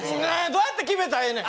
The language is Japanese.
どうやって決めたらええねん。